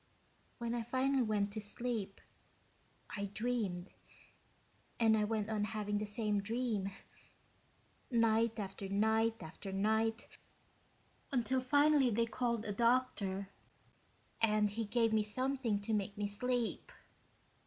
When I finally went to sleep, I dreamed, and I went on having the same dream, night after night after night, until finally they called a doctor and he gave me something to make me sleep."